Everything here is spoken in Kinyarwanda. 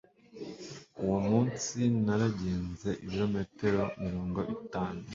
uwo munsi naragenze ibirometero mirongo itanu